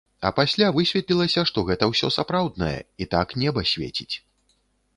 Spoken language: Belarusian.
А пасля высветлілася, што гэта ўсё сапраўднае, і так неба свеціць.